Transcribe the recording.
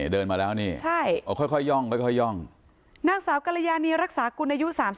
เดินมาแล้วนี่ค่อยย่องนางสาวกรยานีรักษากลุ่นอายุ๓๕